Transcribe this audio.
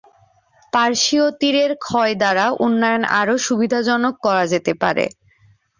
পার্শ্বীয় তীরের ক্ষয় দ্বারা উন্নয়ন আরও সুবিধাজনক করা যেতে পারে।